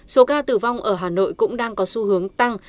số ca tử vong ở hà nội cũng đang có xu hướng tăng